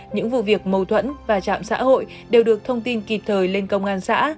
những vụ việc mâu thuẫn và trạm xã hội đều được thông tin kịp thời lên công an xã